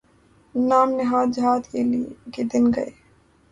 نام نہاد جہاد کے دن گئے۔